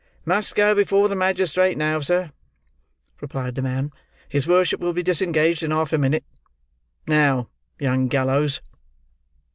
"Must go before the magistrate now, sir," replied the man. "His worship will be disengaged in half a minute. Now, young gallows!"